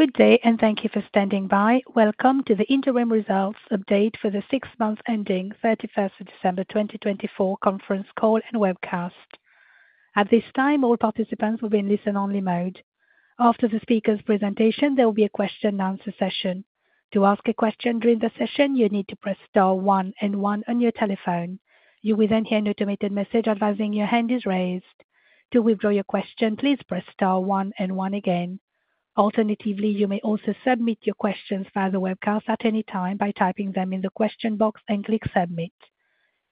Good day, and thank you for standing by. Welcome to the interim results update for the six-month ending, 31st of December 2024, conference call and webcast. At this time, all participants will be in listen-only mode. After the speaker's presentation, there will be a question-and-answer session. To ask a question during the session, you need to press star one and one on your telephone. You will then hear an automated message advising your hand is raised. To withdraw your question, please press star one and one again. Alternatively, you may also submit your questions via the webcast at any time by typing them in the question box and clicking submit.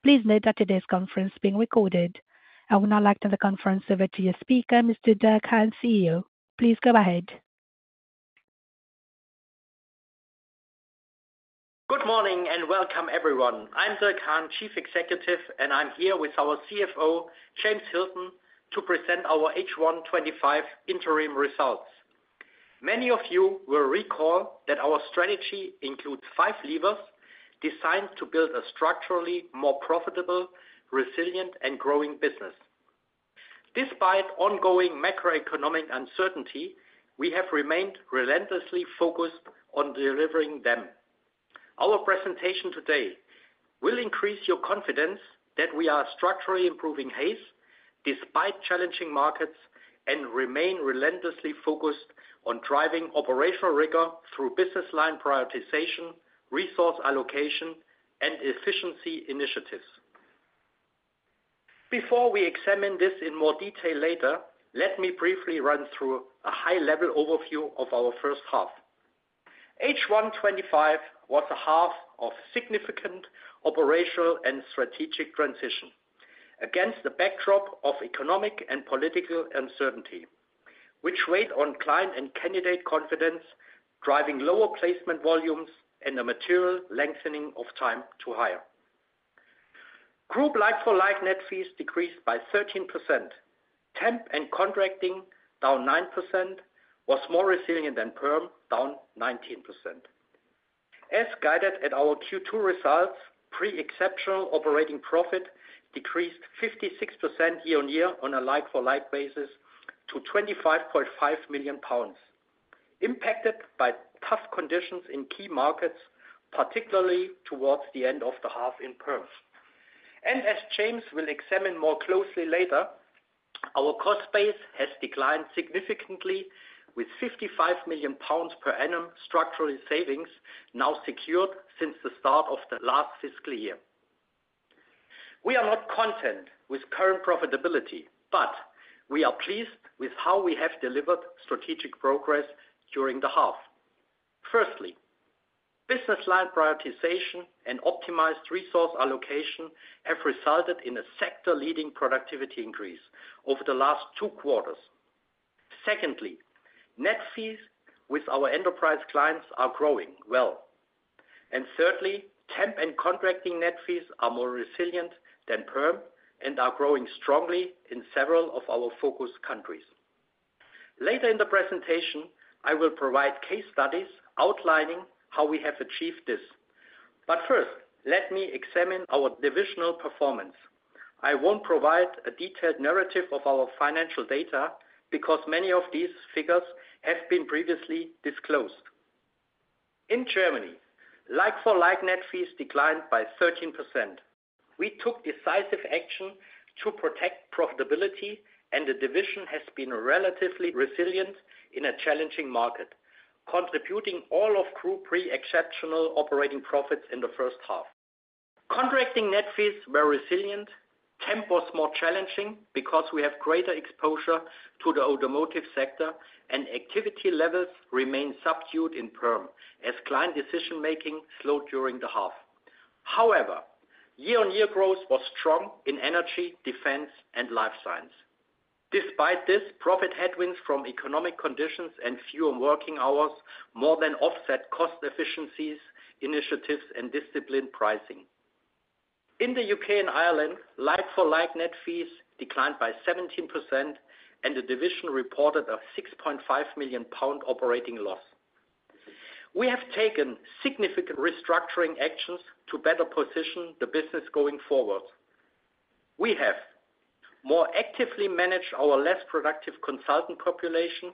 Please note that today's conference is being recorded. I would now like to turn the conference over to your speaker, Mr. Dirk Hahn, CEO. Please go ahead. Good morning and welcome, everyone. I'm Dirk Hahn, Chief Executive, and I'm here with our CFO, James Hilton, to present our H1 25 interim results. Many of you will recall that our strategy includes five levers designed to build a structurally more profitable, resilient, and growing business. Despite ongoing macroeconomic uncertainty, we have remained relentlessly focused on delivering them. Our presentation today will increase your confidence that we are structurally improving Hays despite challenging markets and remain relentlessly focused on driving operational rigor through business line prioritization, resource allocation, and efficiency initiatives. Before we examine this in more detail later, let me briefly run through a high-level overview of our first half. H1 25 was a half of significant operational and strategic transition against the backdrop of economic and political uncertainty, which weighed on client and candidate confidence, driving lower placement volumes and a material lengthening of time to hire. Group like-for-like net fees decreased by 13%. Temp and contracting down 9% was more resilient than perm, down 19%. As guided at our Q2 results, pre-exceptional operating profit decreased 56% year-on-year on a like-for-like basis to 25.5 million pounds, impacted by tough conditions in key markets, particularly towards the end of the half in perm. And as James will examine more closely later, our cost base has declined significantly, with 55 million pounds per annum structural savings now secured since the start of the last fiscal year. We are not content with current profitability, but we are pleased with how we have delivered strategic progress during the half. Firstly, business line prioritization and optimized resource allocation have resulted in a sector-leading productivity increase over the last two quarters. Secondly, net fees with our Enterprise clients are growing well. And thirdly, temp and contracting net fees are more resilient than perm and are growing strongly in several of our focus countries. Later in the presentation, I will provide case studies outlining how we have achieved this. But first, let me examine our divisional performance. I won't provide a detailed narrative of our financial data because many of these figures have been previously disclosed. In Germany, like-for-like net fees declined by 13%. We took decisive action to protect profitability, and the division has been relatively resilient in a challenging market, contributing all of group pre-exceptional operating profits in the first half. Contracting net fees were resilient. Temp was more challenging because we have greater exposure to the automotive sector, and activity levels remained subdued in perm as client decision-making slowed during the half. However, year-on-year growth was strong in energy, defense, and Life Sciences. Despite this, profit headwinds from economic conditions and fewer working hours more than offset cost efficiencies, initiatives, and disciplined pricing. In the UK and Ireland, like-for-like net fees declined by 17%, and the division reported a 6.5 million pound operating loss. We have taken significant restructuring actions to better position the business going forward. We have more actively managed our less productive consultant population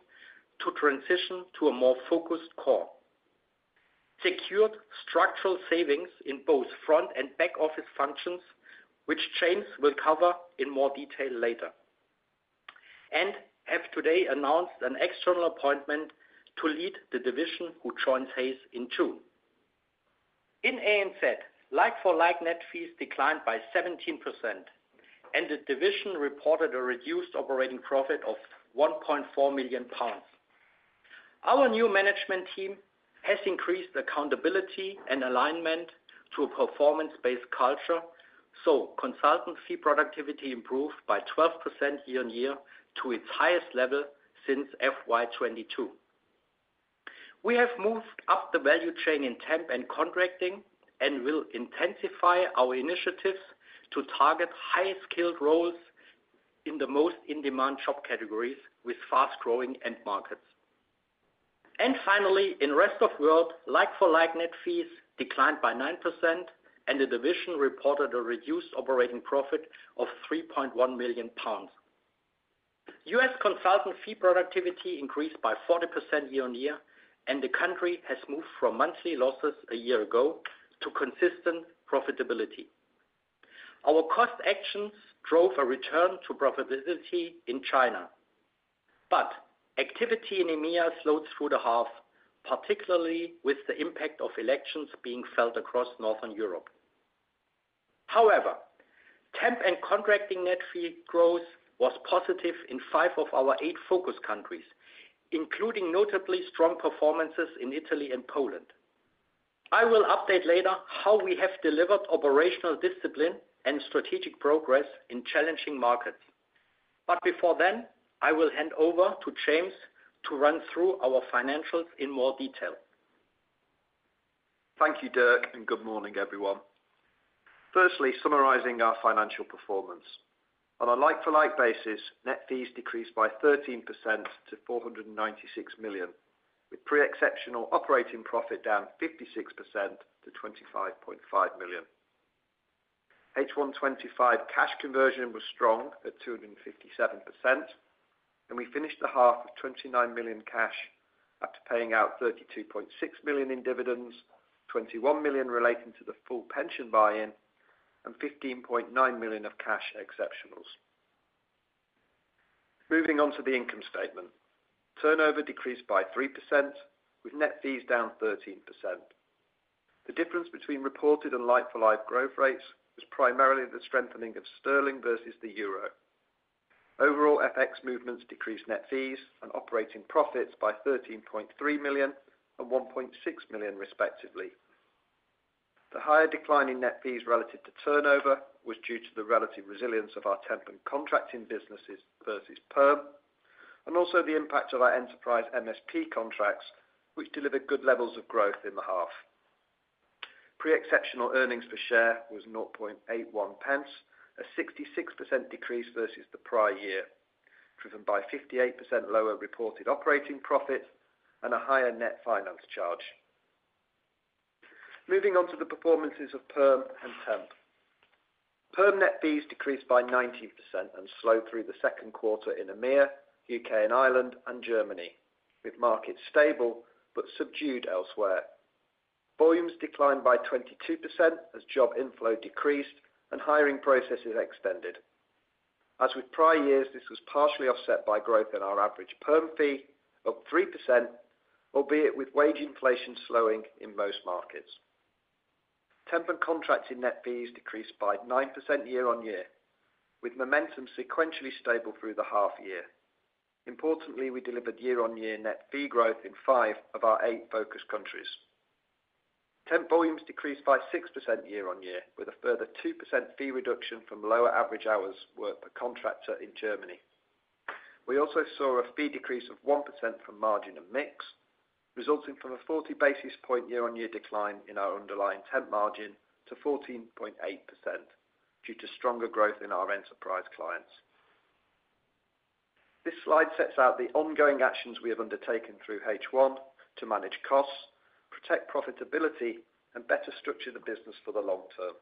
to transition to a more focused core, secured structural savings in both front and back office functions, which James will cover in more detail later, and have today announced an external appointment to lead the division who joins Hays in June. In ANZ, like-for-like net fees declined by 17%, and the division reported a reduced operating profit of 1.4 million pounds. Our new management team has increased accountability and alignment to a performance-based culture, so consultancy productivity improved by 12% year-on-year to its highest level since FY22. We have moved up the value chain in temp and contracting and will intensify our initiatives to target highly skilled roles in the most in-demand job categories with fast-growing end markets. And finally, in Rest of World, like-for-like net fees declined by 9%, and the division reported a reduced operating profit of 3.1 million pounds. U.S. consultant fee productivity increased by 40% year-on-year, and the country has moved from monthly losses a year ago to consistent profitability. Our cost actions drove a return to profitability in China, but activity in EMEA slowed through the half, particularly with the impact of elections being felt across Northern Europe. However, temp and contracting net fee growth was positive in five of our eight focus countries, including notably strong performances in Italy and Poland. I will update later how we have delivered operational discipline and strategic progress in challenging markets. But before then, I will hand over to James to run through our financials in more detail. Thank you, Dirk, and good morning, everyone. First, summarizing our financial performance. On a like-for-like basis, net fees decreased by 13% to 496 million, with pre-exceptional operating profit down 56% to 25.5 million. H1 25 cash conversion was strong at 257%, and we finished the half with 29 million cash after paying out 32.6 million in dividends, 21 million relating to the full pension buy-in, and 15.9 million of cash exceptionals. Moving on to the income statement, turnover decreased by 3%, with net fees down 13%. The difference between reported and like-for-like growth rates was primarily the strengthening of sterling versus the euro. Overall, FX movements decreased net fees and operating profits by 13.3 million and 1.6 million, respectively. The higher decline in net fees relative to turnover was due to the relative resilience of our temp and contracting businesses versus perm, and also the impact of our Enterprise MSP contracts, which delivered good levels of growth in the half. Pre-exceptional earnings per share was 0.81 pence, a 66% decrease versus the prior year, driven by 58% lower reported operating profit and a higher net finance charge. Moving on to the performances of perm and temp. Perm net fees decreased by 19% and slowed through the second quarter in EMEA, UK and Ireland, and Germany, with markets stable but subdued elsewhere. Volumes declined by 22% as job inflow decreased and hiring processes extended. As with prior years, this was partially offset by growth in our average perm fee of 3%, albeit with wage inflation slowing in most markets. Temp and contracting net fees decreased by nine% year-on-year, with momentum sequentially stable through the half year. Importantly, we delivered year-on-year net fee growth in five of our eight focus countries. Temp volumes decreased by six% year-on-year, with a further two% fee reduction from lower average hours worked per contractor in Germany. We also saw a fee decrease of one% from margin and mix, resulting from a 40 basis points year-on-year decline in our underlying temp margin to 14.8% due to stronger growth in our Enterprise clients. This slide sets out the ongoing actions we have undertaken through H1 to manage costs, protect profitability, and better structure the business for the long term.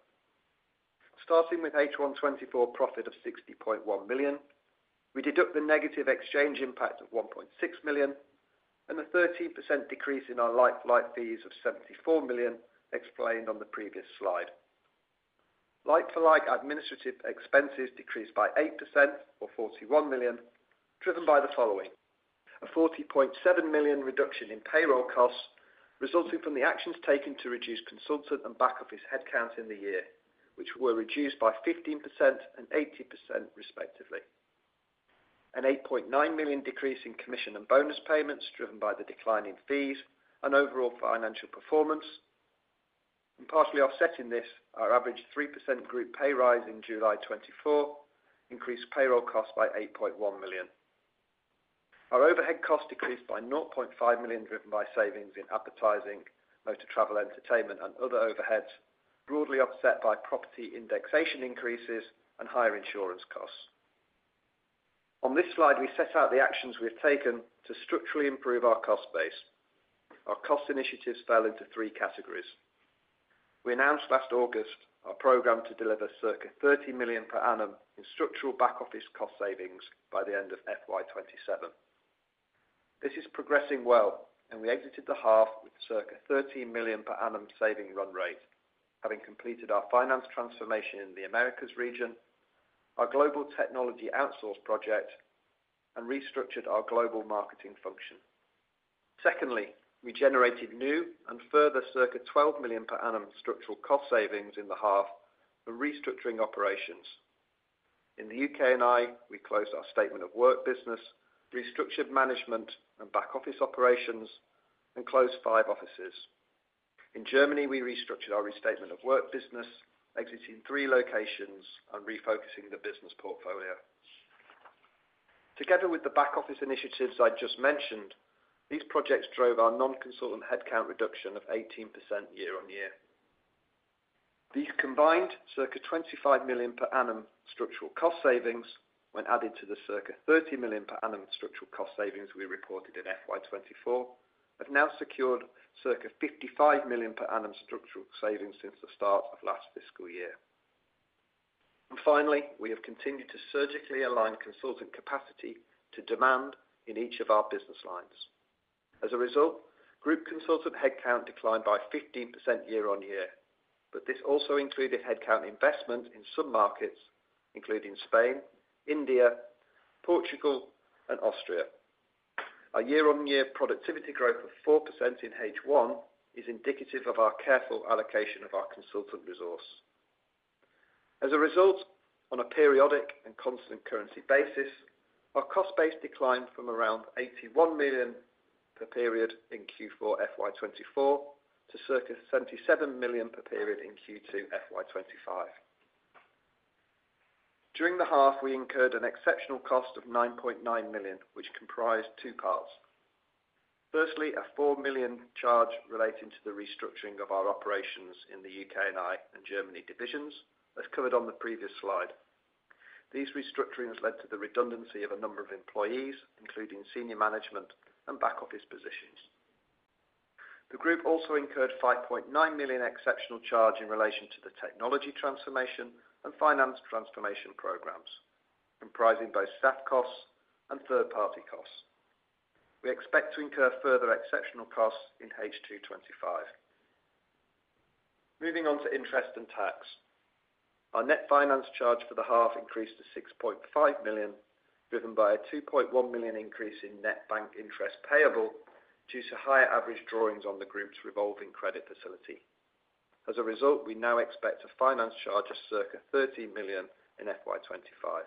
Starting with H1 24 profit of 60.1 million, we deduct the negative exchange impact of 1.6 million and a 13% decrease in our like-for-like fees of 74 million explained on the previous slide. Like-for-like administrative expenses decreased by 8%, or 41 million, driven by the following: a 40.7 million reduction in payroll costs resulting from the actions taken to reduce consultant and back office headcounts in the year, which were reduced by 15% and 80%, respectively. An 8.9 million decrease in commission and bonus payments driven by the decline in fees and overall financial performance. Partially offsetting this are average 3% group pay rise in July 2024, increased payroll costs by 8.1 million. Our overhead costs decreased by 0.5 million, driven by savings in advertising, motor travel, entertainment, and other overheads, broadly offset by property indexation increases and higher insurance costs. On this slide, we set out the actions we have taken to structurally improve our cost base. Our cost initiatives fell into three categories. We announced last August our program to deliver circa 30 million per annum in structural back office cost savings by the end of FY27. This is progressing well, and we exited the half with circa 13 million per annum saving run rate, having completed our finance transformation in the Americas region, our global technology outsource project, and restructured our global marketing function. Secondly, we generated new and further circa 12 million per annum structural cost savings in the half for restructuring operations. In the UK and Ireland, we closed our Statement of Work business, restructured management and back office operations, and closed five offices. In Germany, we restructured our Statement of Work business, exiting three locations and refocusing the business portfolio. Together with the back office initiatives I just mentioned, these projects drove our non-consultant headcount reduction of 18% year-on-year. These combined circa 25 million per annum structural cost savings when added to the circa 30 million per annum structural cost savings we reported in FY24 have now secured circa 55 million per annum structural savings since the start of last fiscal year. And finally, we have continued to surgically align consultant capacity to demand in each of our business lines. As a result, group consultant headcount declined by 15% year-on-year, but this also included headcount investment in some markets, including Spain, India, Portugal, and Austria. Our year-on-year productivity growth of 4% in H1 is indicative of our careful allocation of our consultant resource. As a result, on a periodic and constant currency basis, our cost-based decline from around 81 million per period in Q4 FY24 to circa 77 million per period in Q2 FY25. During the half, we incurred an exceptional cost of 9.9 million, which comprised two parts. Firstly, a 4 million charge relating to the restructuring of our operations in the UK and Ireland and Germany divisions, as covered on the previous slide. These restructurings led to the redundancy of a number of employees, including senior management and back office positions. The group also incurred 5.9 million exceptional charge in relation to the technology transformation and finance transformation programs, comprising both staff costs and third-party costs. We expect to incur further exceptional costs in H2 25. Moving on to interest and tax. Our net finance charge for the half increased to 6.5 million, driven by a 2.1 million increase in net bank interest payable due to higher average drawings on the group's revolving credit facility. As a result, we now expect a finance charge of circa 13 million in FY25.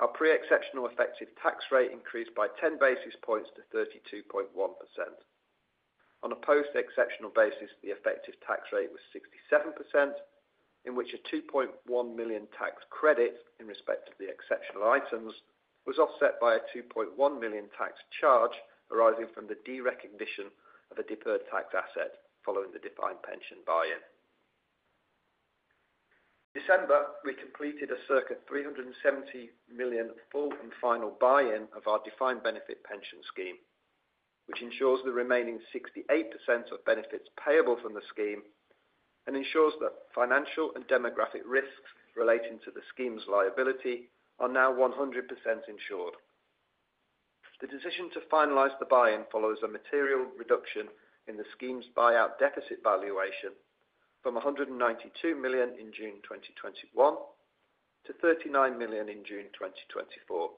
Our pre-exceptional effective tax rate increased by 10 basis points to 32.1%. On a post-exceptional basis, the effective tax rate was 67%, in which a 2.1 million tax credit in respect of the exceptional items was offset by a 2.1 million tax charge arising from the derecognition of a deferred tax asset following the defined pension buy-in. In December, we completed a circa 370 million full and final buy-in of our defined benefit pension scheme, which ensures the remaining 68% of benefits payable from the scheme and ensures that financial and demographic risks relating to the scheme's liability are now 100% insured. The decision to finalize the buy-in follows a material reduction in the scheme's buyout deficit valuation from 192 million in June 2021 to 39 million in June 2024,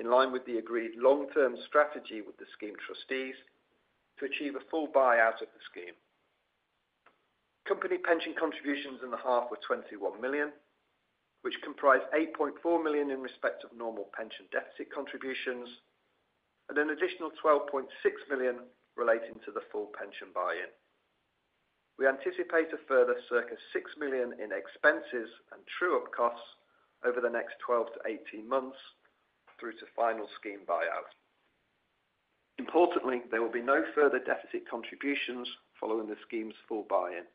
in line with the agreed long-term strategy with the scheme trustees to achieve a full buyout of the scheme. Company pension contributions in the half were 21 million, which comprised 8.4 million in respect of normal pension deficit contributions and an additional 12.6 million relating to the full pension buy-in. We anticipate a further circa 6 million in expenses and true-up costs over the next 12 to 18 months through to final scheme buyout. Importantly, there will be no further deficit contributions following the scheme's full buy-in,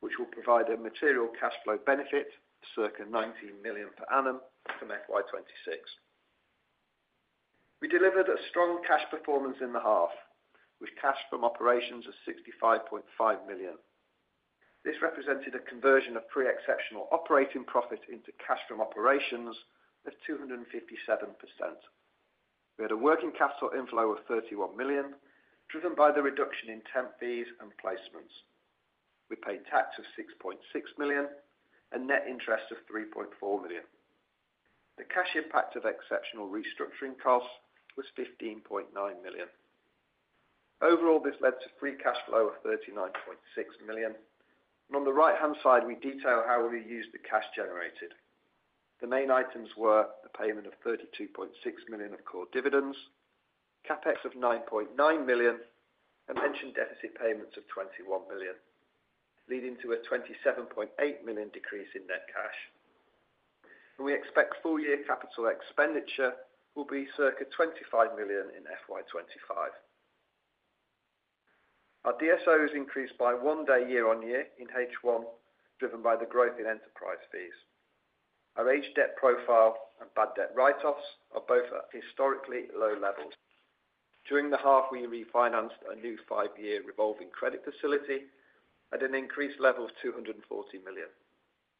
which will provide a material cash flow benefit, circa 19 million per annum from FY26. We delivered a strong cash performance in the half, with cash from operations of 65.5 million. This represented a conversion of pre-exceptional operating profit into cash from operations of 257%. We had a working capital inflow of 31 million, driven by the reduction in temp fees and placements. We paid tax of 6.6 million and net interest of 3.4 million. The cash impact of exceptional restructuring costs was 15.9 million. Overall, this led to free cash flow of 39.6 million. On the right-hand side, we detail how we used the cash generated. The main items were the payment of 32.6 million of core dividends, CapEx of 9.9 million, and pension deficit payments of 21 million, leading to a 27.8 million decrease in net cash. We expect full-year capital expenditure will be circa 25 million in FY25. Our DSO has increased by one day year-on-year in H1, driven by the growth in Enterprise fees. Our aged debt profile and bad debt write-offs are both at historically low levels. During the half, we refinanced a new five-year revolving credit facility at an increased level of 240 million,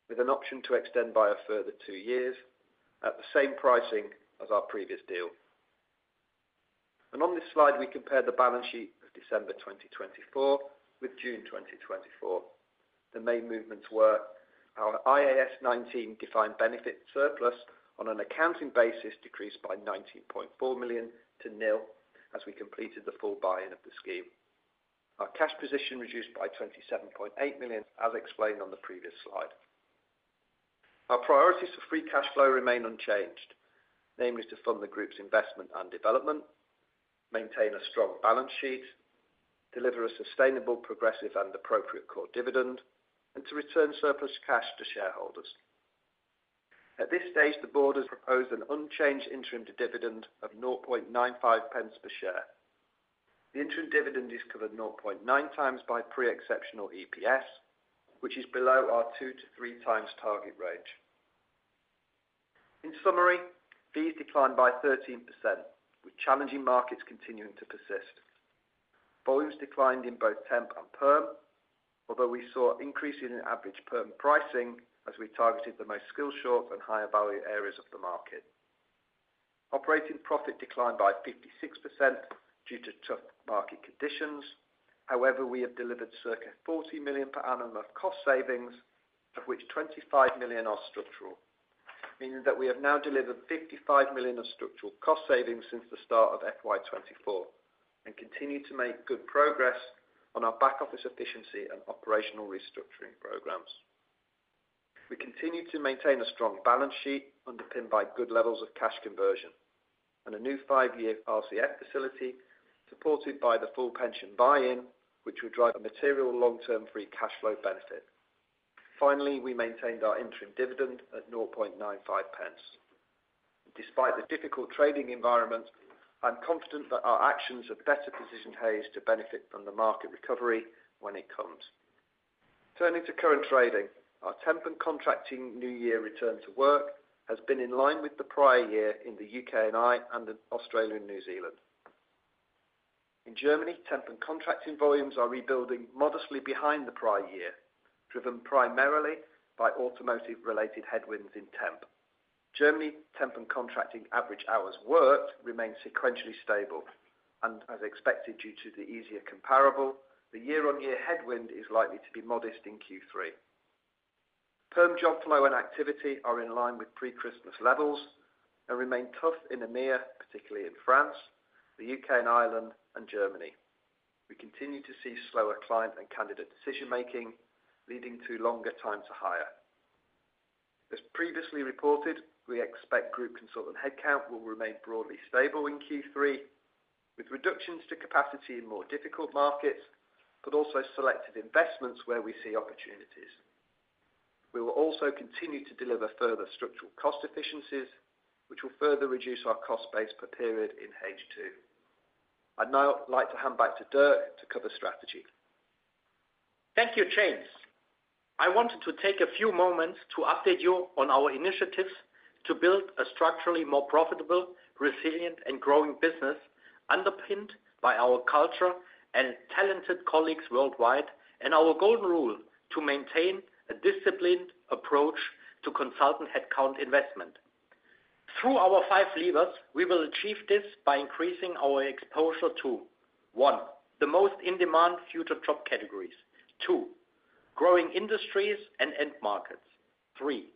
with an option to extend by a further two years at the same pricing as our previous deal. On this slide, we compare the balance sheet of December 2024 with June 2024. The main movements were our IAS 19 defined benefit surplus on an accounting basis decreased by 19.4 million to nil as we completed the full buy-in of the scheme. Our cash position reduced by 27.8 million, as explained on the previous slide. Our priorities for free cash flow remain unchanged, namely to fund the group's investment and development, maintain a strong balance sheet, deliver a sustainable, progressive, and appropriate core dividend, and to return surplus cash to shareholders. At this stage, the board has proposed an unchanged interim dividend of 0.95 pence per share. The interim dividend is covered 0.9 times by pre-exceptional EPS, which is below our two to three times target range. In summary, fees declined by 13%, with challenging markets continuing to persist. Volumes declined in both temp and perm, although we saw an increase in average perm pricing as we targeted the most skill shortages and higher value areas of the market. Operating profit declined by 56% due to tough market conditions. However, we have delivered circa 40 million per annum of cost savings, of which 25 million are structural, meaning that we have now delivered 55 million of structural cost savings since the start of FY24 and continue to make good progress on our back office efficiency and operational restructuring programs. We continue to maintain a strong balance sheet underpinned by good levels of cash conversion and a new five-year RCF facility supported by the full pension buy-in, which would drive a material long-term free cash flow benefit. Finally, we maintained our interim dividend at 0.0095. Despite the difficult trading environment, I'm confident that our actions are better positioned to benefit from the market recovery when it comes. Turning to current trading, our temp and contracting new year return to work has been in line with the prior year in the UK and Ireland and in Australia and New Zealand. In Germany, temp and contracting volumes are rebuilding modestly behind the prior year, driven primarily by automotive-related headwinds in temp. Germany's temp and contracting average hours worked remain sequentially stable, and as expected due to the easier comparable, the year-on-year headwind is likely to be modest in Q3. Perm job flow and activity are in line with pre-Christmas levels and remain tough in EMEA, particularly in France, the UK and Ireland, and Germany. We continue to see slower client and candidate decision-making, leading to longer time to hire. As previously reported, we expect group consultant headcount will remain broadly stable in Q3, with reductions to capacity in more difficult markets, but also selected investments where we see opportunities. We will also continue to deliver further structural cost efficiencies, which will further reduce our cost base per period in H2. I'd now like to hand back to Dirk to cover strategy. Thank you, James. I wanted to take a few moments to update you on our initiatives to build a structurally more profitable, resilient, and growing business underpinned by our culture and talented colleagues worldwide and our Golden Rule to maintain a disciplined approach to consultant headcount investment. Through our Five Levers, we will achieve this by increasing our exposure to: one, the most in-demand future job categories, two, growing industries and end markets, three,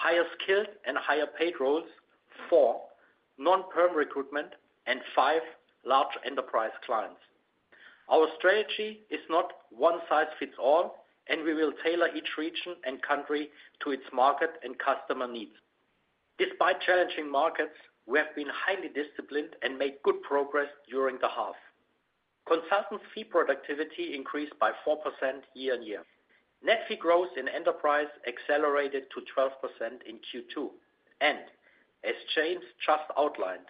higher skilled and higher paid roles, four, non-perm recruitment, and five, large Enterprise clients. Our strategy is not one size fits all, and we will tailor each region and country to its market and customer needs. Despite challenging markets, we have been highly disciplined and made good progress during the half. Consultants' fee productivity increased by 4% year-on-year. Net fee growth in enterprise accelerated to 12% in Q2, and as James just outlined,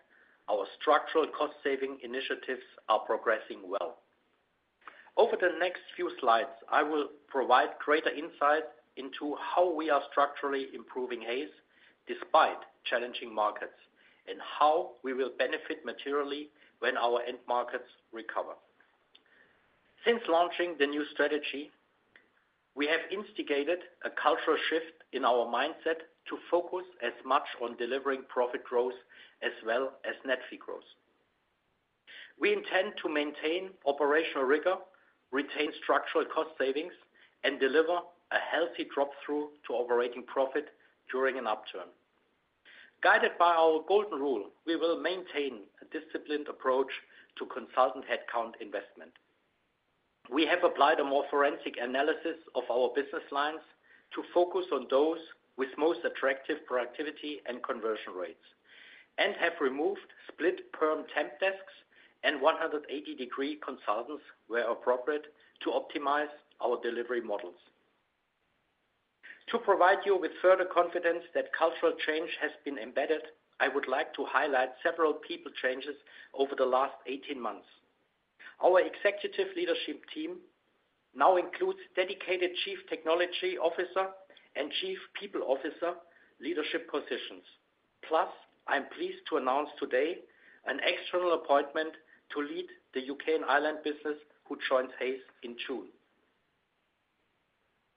our structural cost-saving initiatives are progressing well. Over the next few slides, I will provide greater insight into how we are structurally improving Hays despite challenging markets and how we will benefit materially when our end markets recover. Since launching the new strategy, we have instigated a cultural shift in our mindset to focus as much on delivering profit growth as well as net fee growth. We intend to maintain operational rigor, retain structural cost savings, and deliver a healthy drop-through to operating profit during an upturn. Guided by our Golden Rule, we will maintain a disciplined approach to consultant headcount investment. We have applied a more forensic analysis of our business lines to focus on those with most attractive productivity and conversion rates and have removed split perm temp desks and 180-degree consultants where appropriate to optimize our delivery models. To provide you with further confidence that cultural change has been embedded, I would like to highlight several people changes over the last 18 months. Our executive leadership team now includes dedicated Chief Technology Officer and Chief People Officer leadership positions. Plus, I'm pleased to announce today an external appointment to lead the UK and Ireland business who joins Hays in June.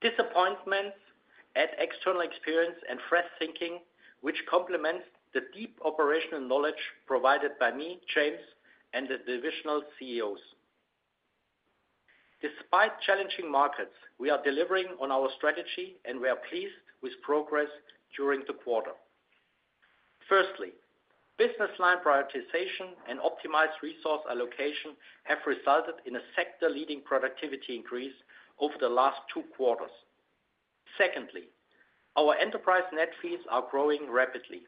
This appointment adds external experience and fresh thinking, which complements the deep operational knowledge provided by me, James, and the divisional CEOs. Despite challenging markets, we are delivering on our strategy, and we are pleased with progress during the quarter. Firstly, business line prioritization and optimized resource allocation have resulted in a sector-leading productivity increase over the last two quarters. Secondly, our enterprise net fees are growing rapidly.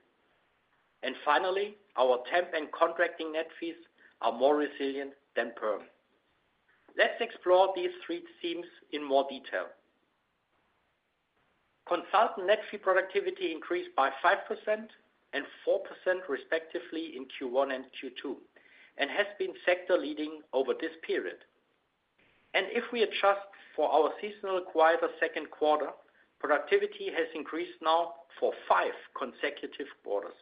And finally, our temp and contracting net fees are more resilient than perm. Let's explore these three themes in more detail. Consultant net fee productivity increased by 5% and 4% respectively in Q1 and Q2 and has been sector-leading over this period. And if we adjust for our seasonal quieter second quarter, productivity has increased now for five consecutive quarters.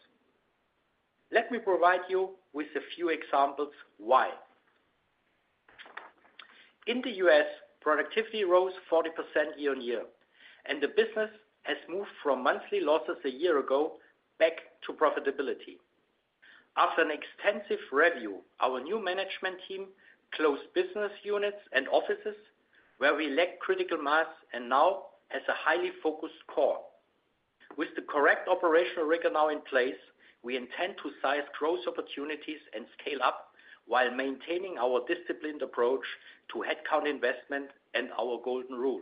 Let me provide you with a few examples why. In the U.S., productivity rose 40% year-on-year, and the business has moved from monthly losses a year ago back to profitability. After an extensive review, our new management team closed business units and offices where we lacked critical mass and now has a highly focused core. With the correct operational rigor now in place, we intend to size growth opportunities and scale up while maintaining our disciplined approach to headcount investment and our Golden Rule.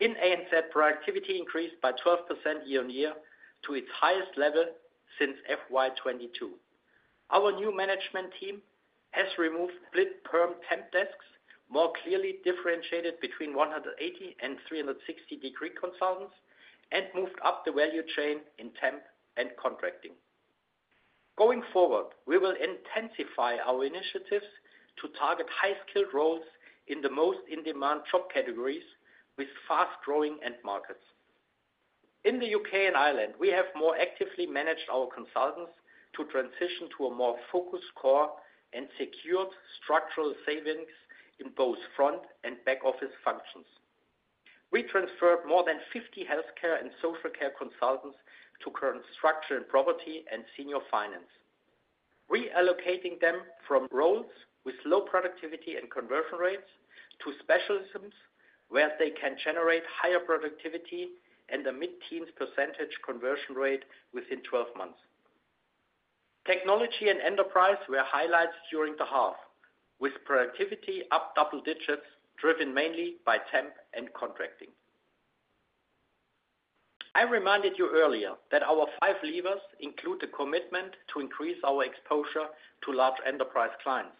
In ANZ, productivity increased by 12% year-on-year to its highest level since FY22. Our new management team has removed split perm temp desks, more clearly differentiated between 180-degree and 360-degree consultants, and moved up the value chain in temp and contracting. Going forward, we will intensify our initiatives to target high-skilled roles in the most in-demand job categories with fast-growing end markets. In the UK and Ireland, we have more actively managed our consultants to transition to a more focused core and secured structural savings in both front and back office functions. We transferred more than 50 Healthcare and Social Care consultants to Construction and Property and Senior Finance, reallocating them from roles with low productivity and conversion rates to specialisms where they can generate higher productivity and a mid-teens % conversion rate within 12 months. Technology and enterprise were highlights during the half, with productivity up double digits driven mainly by temp and contracting. I reminded you earlier that our five levers include the commitment to increase our exposure to large enterprise clients.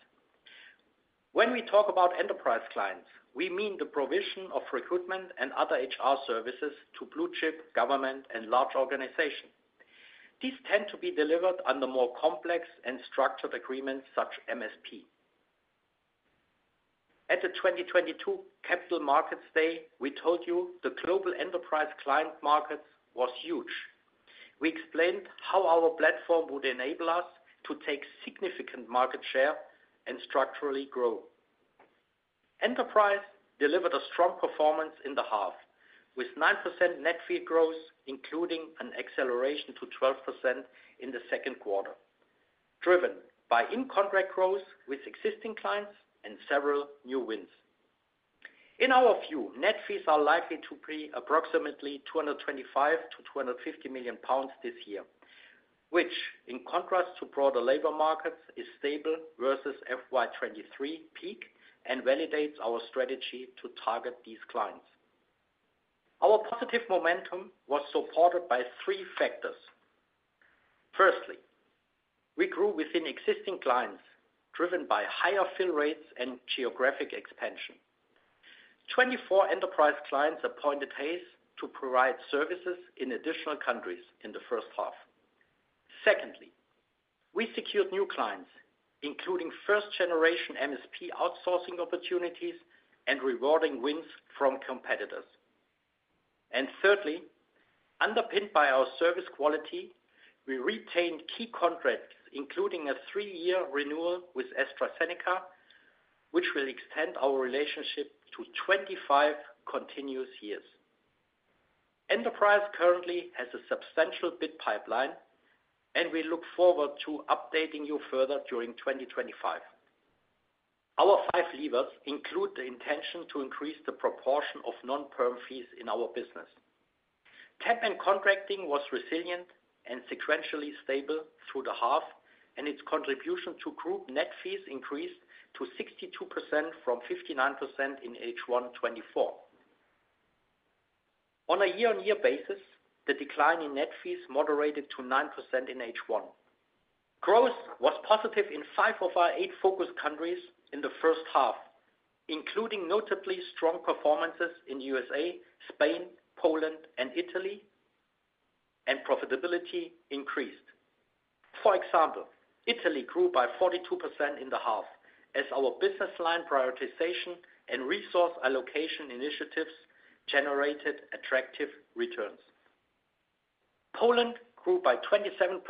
When we talk about enterprise clients, we mean the provision of recruitment and other HR services to blue chip government and large organizations. These tend to be delivered under more complex and structured agreements such as MSP. At the 2022 Capital Markets Day, we told you the global enterprise client markets were huge. We explained how our platform would enable us to take significant market share and structurally grow. Enterprise delivered a strong performance in the half with 9% net fee growth, including an acceleration to 12% in the second quarter, driven by in-contract growth with existing clients and several new wins. In our view, net fees are likely to be approximately 225 million-250 million pounds this year, which, in contrast to broader labor markets, is stable versus FY23 peak and validates our strategy to target these clients. Our positive momentum was supported by three factors. Firstly, we grew within existing clients driven by higher fill rates and geographic expansion. 24 enterprise clients appointed Hays to provide services in additional countries in the first half. Secondly, we secured new clients, including first-generation MSP outsourcing opportunities and rewarding wins from competitors. Thirdly, underpinned by our service quality, we retained key contracts, including a three-year renewal with AstraZeneca, which will extend our relationship to 25 continuous years. Enterprise currently has a substantial bid pipeline, and we look forward to updating you further during 2025. Our five levers include the intention to increase the proportion of non-perm fees in our business. Temp and contracting was resilient and sequentially stable through the half, and its contribution to group net fees increased to 62% from 59% in H1 24. On a year-on-year basis, the decline in net fees moderated to 9% in H1. Growth was positive in five of our eight focus countries in the first half, including notably strong performances in the USA, Spain, Poland, and Italy, and profitability increased. For example, Italy grew by 42% in the half as our business line prioritization and resource allocation initiatives generated attractive returns. Poland grew by 27%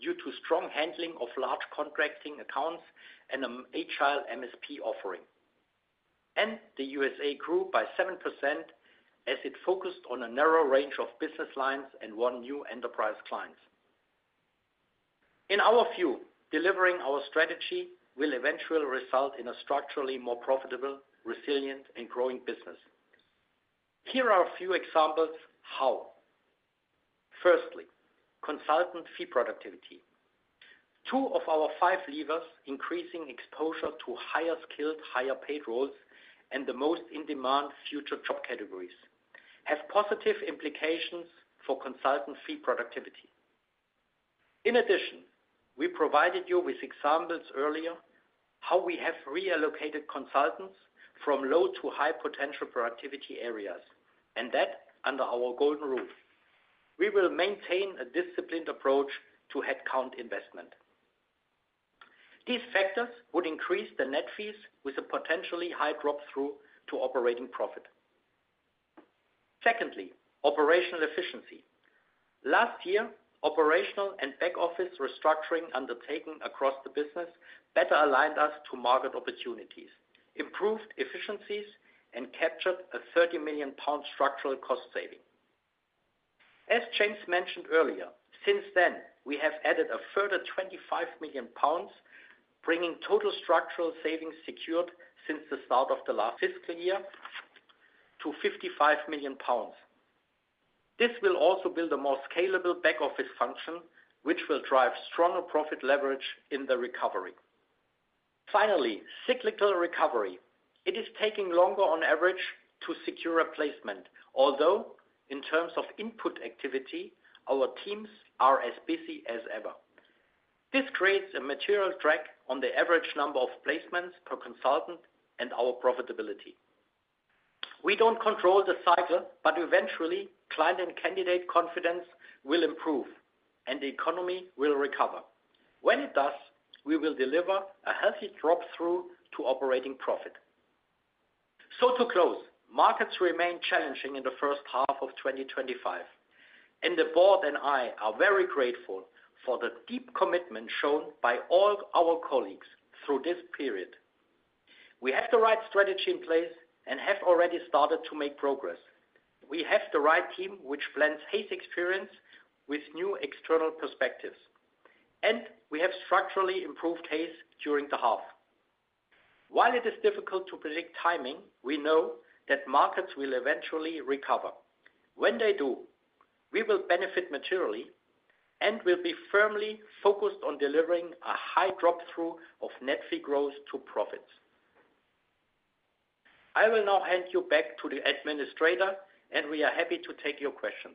due to strong handling of large contracting accounts and an HR MSP offering. The USA grew by 7% as it focused on a narrow range of business lines and won new enterprise clients. In our view, delivering our strategy will eventually result in a structurally more profitable, resilient, and growing business. Here are a few examples of how. Firstly, consultant fee productivity. Two of our five levers increasing exposure to higher skilled, higher paid roles and the most in-demand future job categories have positive implications for consultant fee productivity. In addition, we provided you with examples earlier how we have reallocated consultants from low to high potential productivity areas, and that under our Golden Rule. We will maintain a disciplined approach to headcount investment. These factors would increase the net fees with a potentially high drop-through to operating profit. Secondly, operational efficiency. Last year, operational and back office restructuring undertaken across the business better aligned us to market opportunities, improved efficiencies, and captured a 30 million pound structural cost saving. As James mentioned earlier, since then, we have added a further 25 million pounds bringing total structural savings secured since the start of the last fiscal year to 55 million pounds. This will also build a more scalable back office function, which will drive stronger profit leverage in the recovery. Finally, cyclical recovery. It is taking longer on average to secure a placement, although in terms of input activity, our teams are as busy as ever. This creates a material drag on the average number of placements per consultant and our profitability. We don't control the cycle, but eventually, client and candidate confidence will improve, and the economy will recover. When it does, we will deliver a healthy drop-through to operating profit. So to close, markets remain challenging in the first half of 2025, and the board and I are very grateful for the deep commitment shown by all our colleagues through this period. We have the right strategy in place and have already started to make progress. We have the right team, which blends Hays experience with new external perspectives, and we have structurally improved Hays during the half. While it is difficult to predict timing, we know that markets will eventually recover. When they do, we will benefit materially and will be firmly focused on delivering a high drop-through of net fee growth to profits. I will now hand you back to the administrator, and we are happy to take your questions.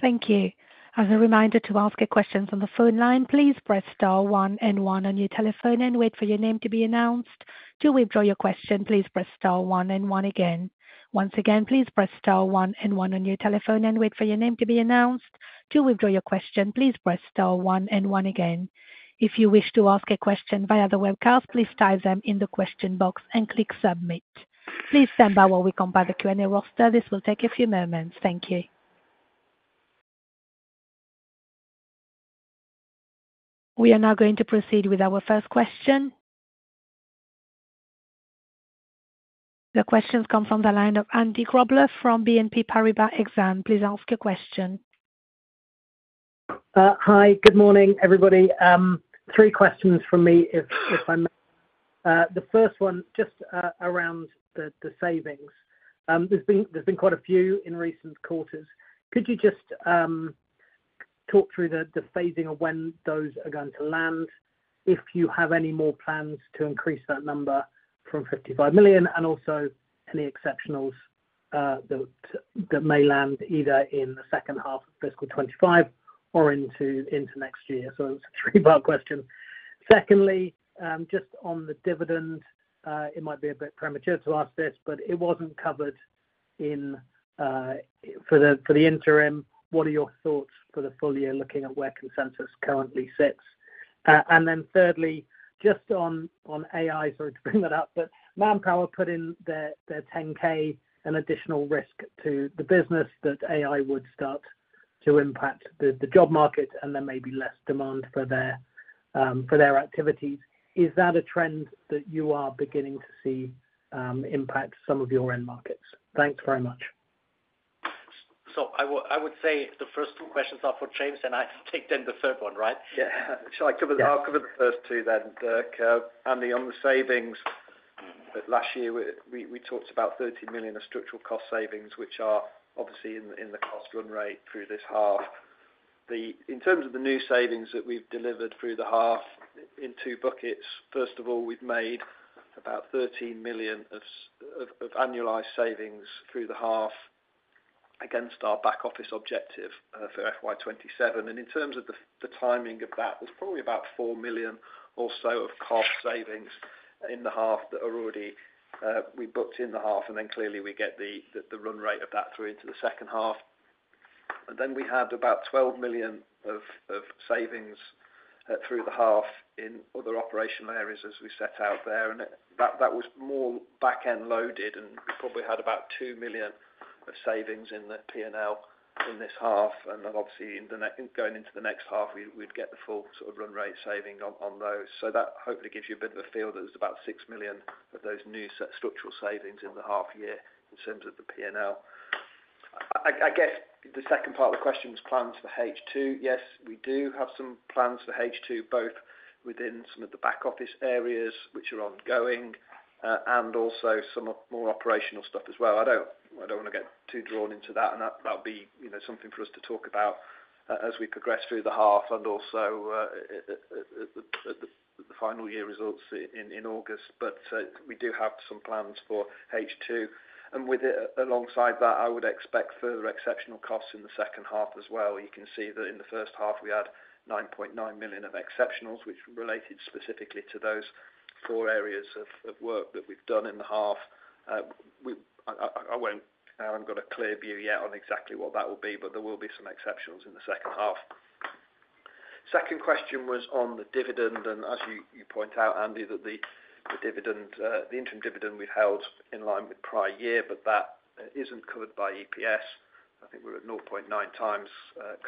Thank you. As a reminder to ask your questions on the phone line, please press star one and one on your telephone and wait for your name to be announced. To withdraw your question, please press star one and one again. Once again, please press star one and one on your telephone and wait for your name to be announced. To withdraw your question, please press star one and one again. If you wish to ask a question via the webcast, please type them in the question box and click submit. Please stand by while we combine the Q&A roster. This will take a few moments. Thank you. We are now going to proceed with our first question. The questions come from the line of Andy Grobler from BNP Paribas Exane. Please ask your question. Hi, good morning, everybody. Three questions from me, if I may. The first one just around the savings. There's been quite a few in recent quarters. Could you just talk through the phasing of when those are going to land, if you have any more plans to increase that number from 55 million, and also any exceptionals that may land either in the second half of fiscal 2025 or into next year? So it's a three-part question. Secondly, just on the dividend, it might be a bit premature to ask this, but it wasn't covered for the interim. What are your thoughts for the full year looking at where consensus currently sits? And then thirdly, just on AI, sorry to bring that up, but Manpower put in their 10K and additional risk to the business that AI would start to impact the job market and then maybe less demand for their activities. Is that a trend that you are beginning to see impact some of your end markets? Thanks very much. So I would say the first two questions are for James, and I take then the third one, right? Yeah. So I'll cover the first two then, Dirk. And on the savings, last year we talked about 30 million of structural cost savings, which are obviously in the cost run rate through this half. In terms of the new savings that we've delivered through the half in two buckets, first of all, we've made about 13 million of annualized savings through the half against our back office objective for FY27. In terms of the timing of that, there's probably about 4 million or so of cost savings in the half that we already booked in the half, and then clearly we get the run rate of that through into the second half. Then we had about 12 million of savings through the half in other operational areas as we set out there. And that was more back-end loaded, and we probably had about 2 million of savings in the P&L in this half. And then obviously, going into the next half, we'd get the full sort of run rate saving on those. That hopefully gives you a bit of a feel that there's about 6 million of those new structural savings in the half year in terms of the P&L. I guess the second part of the question was plans for H2. Yes, we do have some plans for H2, both within some of the back office areas which are ongoing and also some more operational stuff as well. I don't want to get too drawn into that, and that'll be something for us to talk about as we progress through the half and also the final year results in August, but we do have some plans for H2, and alongside that, I would expect further exceptional costs in the second half as well. You can see that in the first half, we had 9.9 million of exceptionals, which related specifically to those four areas of work that we've done in the half. I haven't got a clear view yet on exactly what that will be, but there will be some exceptionals in the second half. Second question was on the dividend. As you point out, Andy, that the interim dividend we've held in line with prior year, but that isn't covered by EPS. I think we're at 0.9 times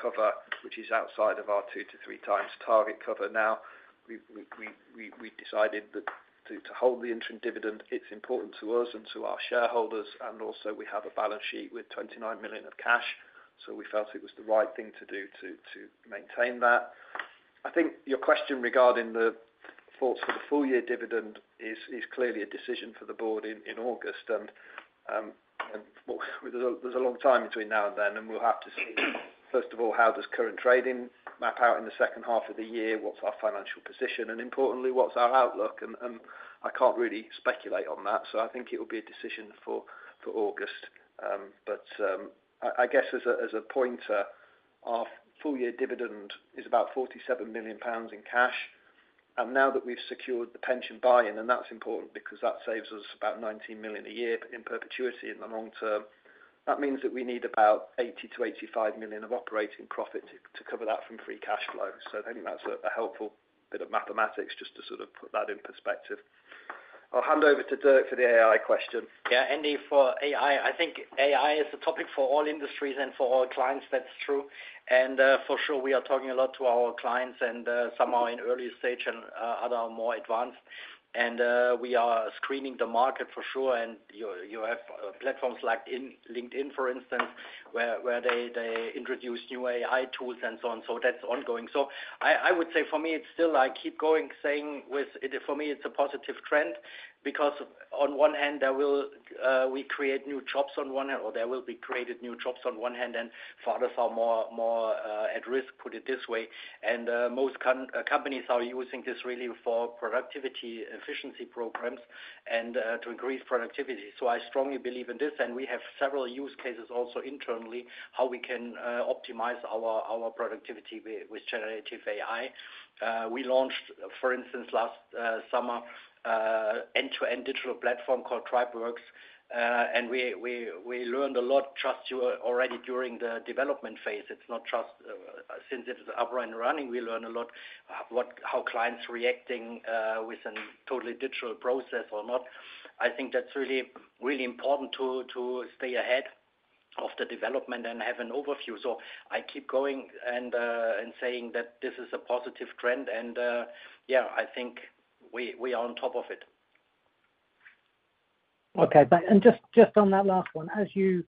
cover, which is outside of our two to three times target cover. Now, we decided that to hold the interim dividend, it's important to us and to our shareholders. We also have a balance sheet with 29 million of cash, so we felt it was the right thing to do to maintain that. I think your question regarding the thoughts for the full year dividend is clearly a decision for the board in August. There's a long time between now and then, and we'll have to see, first of all, how does current trading map out in the second half of the year, what's our financial position, and importantly, what's our outlook. I can't really speculate on that, so I think it will be a decision for August. I guess as a pointer, our full year dividend is about 47 million pounds in cash. Now that we've secured the pension buy-in, and that's important because that saves us about 19 million a year in perpetuity in the long term, that means that we need about 80-85 million of operating profit to cover that from free cash flow. I think that's a helpful bit of mathematics just to sort of put that in perspective. I'll hand over to Dirk for the AI question. Yeah, Andy for AI. I think AI is a topic for all industries and for all clients. That's true. For sure, we are talking a lot to our clients and some are in early stage and others are more advanced. And we are screening the market for sure. And you have platforms like LinkedIn, for instance, where they introduce new AI tools and so on. So that's ongoing. So I would say for me, it's still a positive trend because on one hand, we create new jobs, or there will be created new jobs, and other are more at risk, put it this way. And most companies are using this really for productivity efficiency programs and to increase productivity. So I strongly believe in this, and we have several use cases also internally how we can optimize our productivity with generative AI. We launched, for instance, last summer, an end-to-end digital platform called TribeWorks, and we learned a lot just already during the development phase. It's not just since it's up and running, we learn a lot how clients are reacting with a totally digital process or not. I think that's really important to stay ahead of the development and have an overview, so I keep going and saying that this is a positive trend, and yeah, I think we are on top of it. Okay, and just on that last one, as you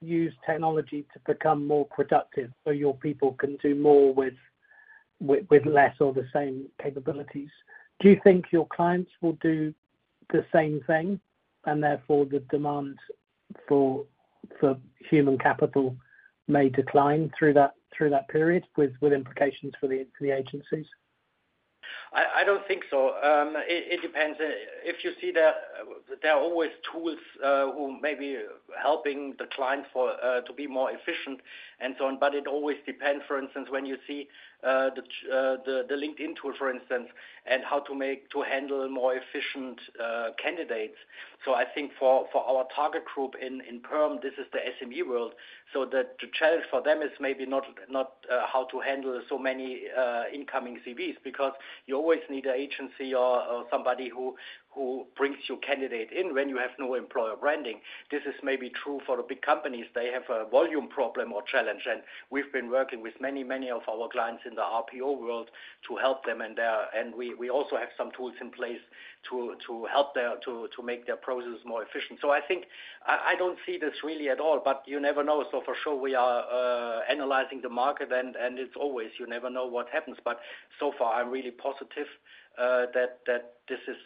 use technology to become more productive so your people can do more with less or the same capabilities, do you think your clients will do the same thing? And therefore, the demand for human capital may decline through that period with implications for the agencies? I don't think so. It depends. If you see that there are always tools who may be helping the client to be more efficient and so on, but it always depends. For instance, when you see the LinkedIn tool, for instance, and how to handle more efficient candidates. So I think for our target group in Perm, this is the SME world. So the challenge for them is maybe not how to handle so many incoming CVs because you always need an agency or somebody who brings your candidate in when you have no employer branding. This is maybe true for the big companies. They have a volume problem or challenge, and we've been working with many, many of our clients in the RPO world to help them. And we also have some tools in place to help them to make their processes more efficient. So I think I don't see this really at all, but you never know. So for sure, we are analyzing the market, and it's always you never know what happens. But so far, I'm really positive that this is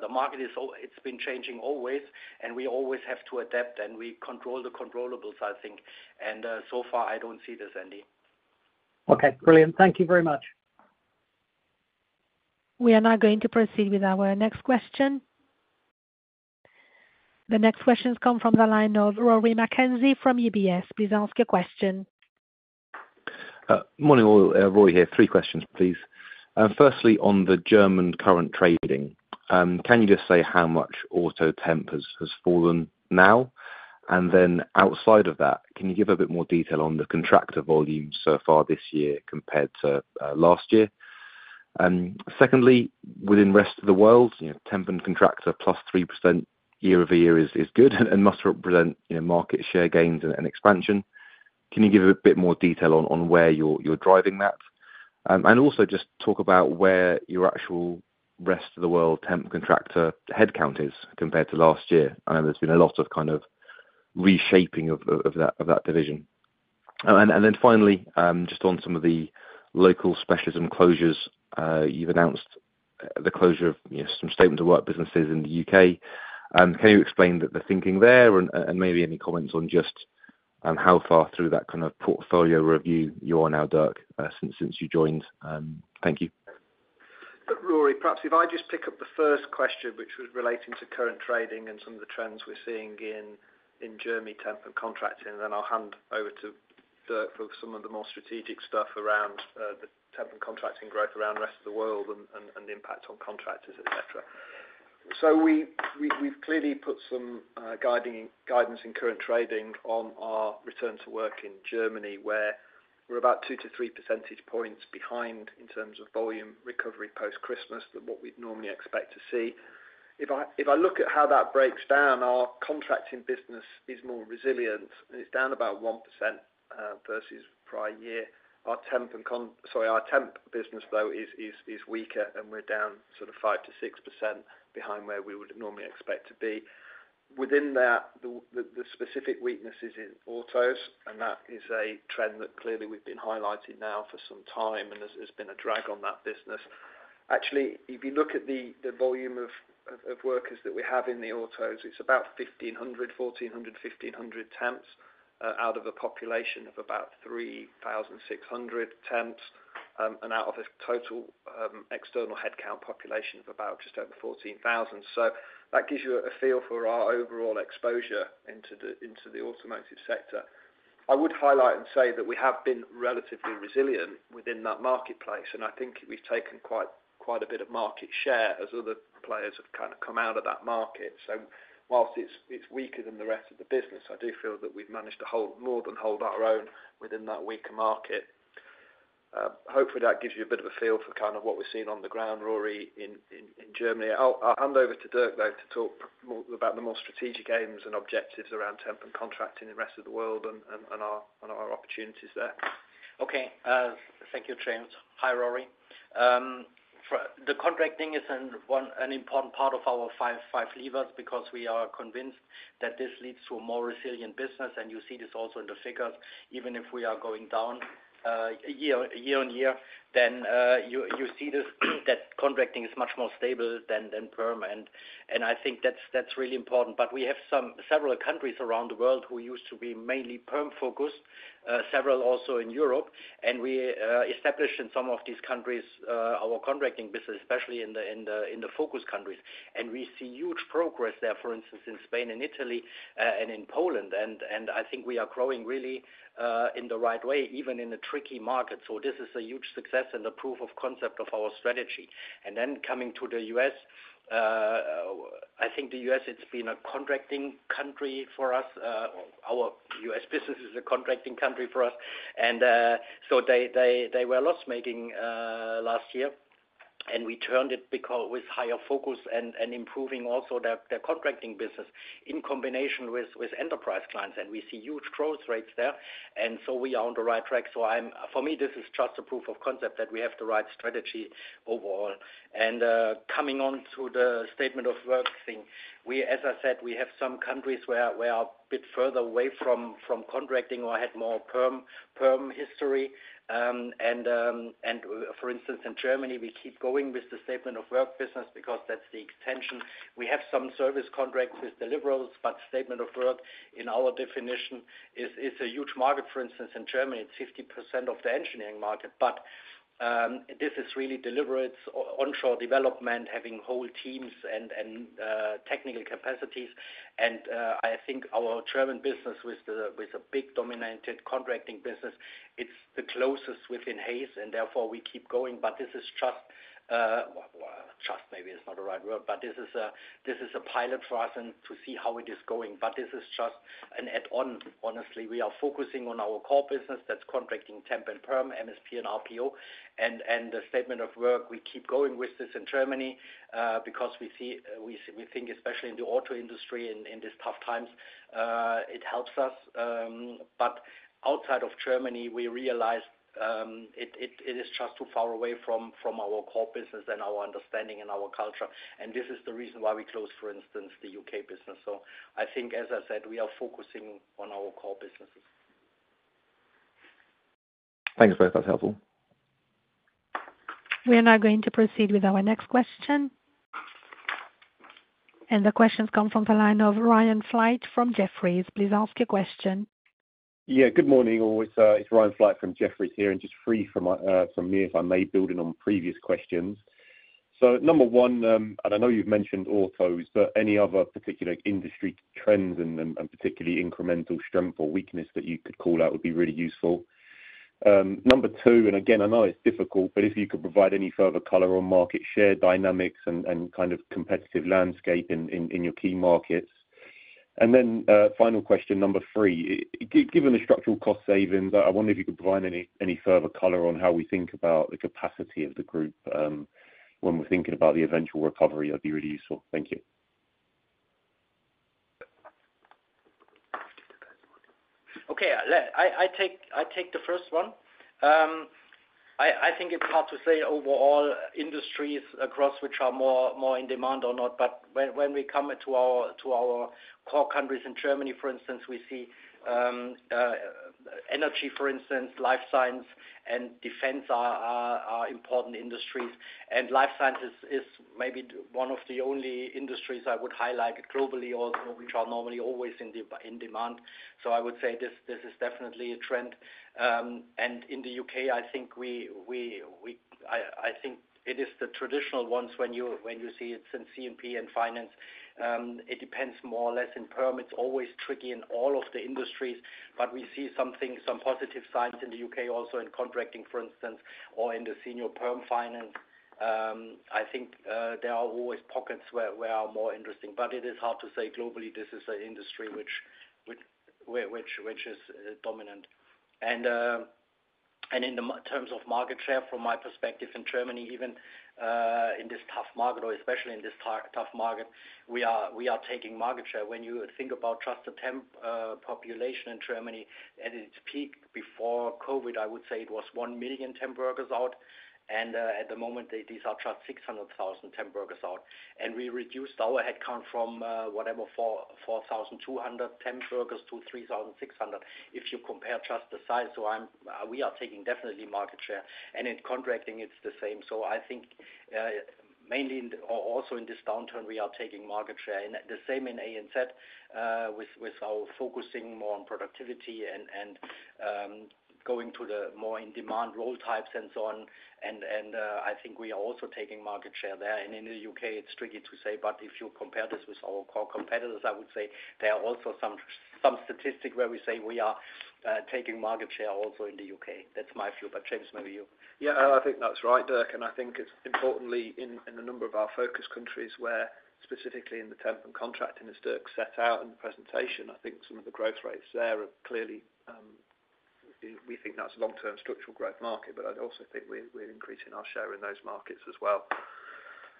the market. It's been changing always, and we always have to adapt, and we control the controllables, I think. And so far, I don't see this, Andy. Okay. Brilliant. Thank you very much. We are now going to proceed with our next question. The next questions come from the line of Rory McKenzie from UBS. Please ask your question. Morning, Rory here. Three questions, please. Firstly, on the German current trading, can you just say how much auto temp has fallen now? And then outside of that, can you give a bit more detail on the contractor volume so far this year compared to last year? Secondly, within the rest of the world, temp and contractor plus 3% year over year is good and must represent market share gains and expansion. Can you give a bit more detail on where you're driving that? And also just talk about where your actual rest of the world temp contractor headcount is compared to last year. I know there's been a lot of kind of reshaping of that division. And then finally, just on some of the local specialism closures, you've announced the closure of some Statement of Work businesses in the UK. Can you explain the thinking there and maybe any comments on just how far through that kind of portfolio review you are now, Dirk, since you joined? Thank you. Rory, perhaps if I just pick up the first question, which was relating to current trading and some of the trends we're seeing in Germany temp and contracting, then I'll hand over to Dirk for some of the more strategic stuff around the temp and contracting growth around the rest of the world and the impact on contractors, etc., so we've clearly put some guidance in current trading on our return to work in Germany, where we're about two to three percentage points behind in terms of volume recovery post-Christmas than what we'd normally expect to see. If I look at how that breaks down, our contracting business is more resilient, and it's down about 1% versus prior year. Our temp business, though, is weaker, and we're down sort of 5%-6% behind where we would normally expect to be. Within that, the specific weakness is in autos, and that is a trend that clearly we've been highlighting now for some time, and there's been a drag on that business. Actually, if you look at the volume of workers that we have in the autos, it's about 1,500, 1,400, 1,500 temps out of a population of about 3,600 temps and out of a total external headcount population of about just over 14,000. So that gives you a feel for our overall exposure into the automotive sector. I would highlight and say that we have been relatively resilient within that marketplace, and I think we've taken quite a bit of market share as other players have kind of come out of that market. So whilst it's weaker than the rest of the business, I do feel that we've managed to hold more than hold our own within that weaker market. Hopefully, that gives you a bit of a feel for kind of what we've seen on the ground, Rory, in Germany. I'll hand over to Dirk, though, to talk about the more strategic aims and objectives around temp and contracting in the rest of the world and our opportunities there. Okay. Thank you, James. Hi, Rory. The contracting is an important part of our five levers because we are convinced that this leads to a more resilient business, and you see this also in the figures. Even if we are going down year on year, then you see that contracting is much more stable than Perm. And I think that's really important. But we have several countries around the world who used to be mainly Perm-focused, several also in Europe. And we established in some of these countries our contracting business, especially in the focus countries. And we see huge progress there, for instance, in Spain, in Italy, and in Poland. And I think we are growing really in the right way, even in a tricky market. So this is a huge success and a proof of concept of our strategy. And then coming to the U.S., I think the U.S., it's been a contracting country for us. Our U.S. business is a contracting country for us. And so they were loss-making last year, and we turned it with higher focus and improving also their contracting business in combination with enterprise clients. And we see huge growth rates there. And so we are on the right track. So for me, this is just a proof of concept that we have the right strategy overall. Coming on to the Statement of Work thing, as I said, we have some countries where we are a bit further away from contracting or had more Perm history. For instance, in Germany, we keep going with the Statement of Work business because that's the extension. We have some service contracts with deliverables, but Statement of Work, in our definition, is a huge market. For instance, in Germany, it's 50% of the engineering market. But this is really deliverables, onshore development, having whole teams and technical capacities. I think our German business, with a big dominated contracting business, it's the closest within Hays, and therefore we keep going. But this is just, well, just maybe it's not the right word, but this is a pilot for us to see how it is going. But this is just an add-on. Honestly, we are focusing on our core business that's contracting temp and Perm, MSP and RPO. And the Statement of Work, we keep going with this in Germany because we think, especially in the auto industry, in these tough times, it helps us. But outside of Germany, we realize it is just too far away from our core business and our understanding and our culture. And this is the reason why we closed, for instance, the UK business. So I think, as I said, we are focusing on our core businesses. Thanks, both. That's helpful. We are now going to proceed with our next question, and the questions come from the line of Ryan Flight from Jefferies. Please ask your question. Yeah. Good morning, Rory. It's Ryan Flight from Jefferies here, and just one from me if I may build on previous questions. Number one, and I know you've mentioned autos, but any other particular industry trends and particularly incremental strength or weakness that you could call out would be really useful? Number two, and again, I know it's difficult, but if you could provide any further color on market share dynamics and kind of competitive landscape in your key markets? And then final question, number three, given the structural cost savings, I wonder if you could provide any further color on how we think about the capacity of the group when we're thinking about the eventual recovery would be really useful? Thank you. Okay. I take the first one. I think it's hard to say overall industries across which are more in demand or not. But when we come to our core countries in Germany, for instance, we see energy, for instance, life science, and defense are important industries. Life science is maybe one of the only industries I would highlight globally also which are normally always in demand. So I would say this is definitely a trend. In the UK, I think it is the traditional ones when you see it's in C&P and finance. It depends more or less in Perm. It's always tricky in all of the industries, but we see some positive signs in the UK also in contracting, for instance, or in the senior Perm finance. I think there are always pockets where we are more interesting. But it is hard to say globally this is an industry which is dominant. In terms of market share, from my perspective in Germany, even in this tough market, or especially in this tough market, we are taking market share. When you think about just the temp population in Germany at its peak before COVID, I would say it was one million temp workers out, and at the moment, there are just 600,000 temp workers out. And we reduced our headcount from whatever, 4,200 temp workers to 3,600 if you compare just the size, so we are taking definitely market share, and in contracting, it's the same. So I think mainly also in this downturn, we are taking market share, and the same in ANZ with our focusing more on productivity and going to the more in-demand role types and so on. And I think we are also taking market share there, and in the UK, it's tricky to say, but if you compare this with our core competitors, I would say there are also some statistics where we say we are taking market share also in the UK. That's my view. But James, maybe you. Yeah. I think that's right, Dirk. And I think it's importantly in a number of our focus countries where specifically in the temp and contracting as Dirk set out in the presentation, I think some of the growth rates there are clearly we think that's a long-term structural growth market, but I also think we're increasing our share in those markets as well.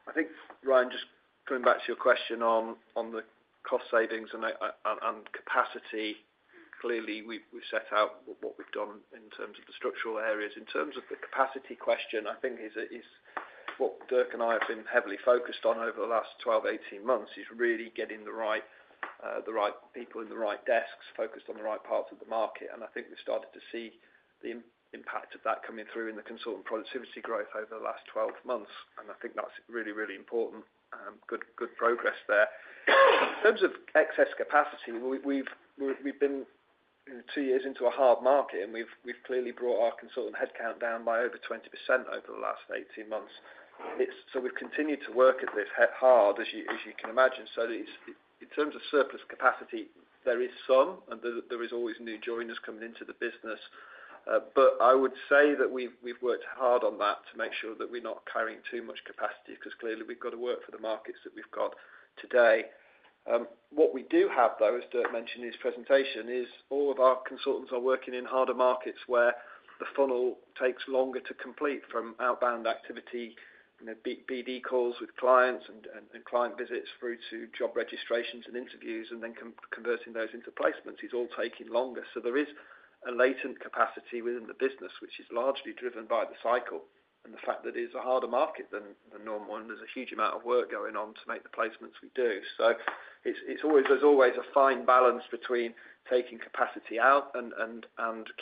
I think, Ryan, just going back to your question on the cost savings and capacity, clearly we've set out what we've done in terms of the structural areas. In terms of the capacity question, I think what Dirk and I have been heavily focused on over the last 12, 18 months is really getting the right people in the right desks focused on the right parts of the market. And I think we've started to see the impact of that coming through in the consultant productivity growth over the last 12 months. And I think that's really, really important. Good progress there. In terms of excess capacity, we've been two years into a hard market, and we've clearly brought our consultant headcount down by over 20% over the last 18 months. So we've continued to work at this hard, as you can imagine. So in terms of surplus capacity, there is some, and there is always new joiners coming into the business. But I would say that we've worked hard on that to make sure that we're not carrying too much capacity because clearly we've got to work for the markets that we've got today. What we do have, though, as Dirk mentioned in his presentation, is all of our consultants are working in harder markets where the funnel takes longer to complete from outbound activity, BD calls with clients and client visits through to job registrations and interviews, and then converting those into placements is all taking longer. So there is a latent capacity within the business, which is largely driven by the cycle and the fact that it is a harder market than normal, and there's a huge amount of work going on to make the placements we do. So there's always a fine balance between taking capacity out and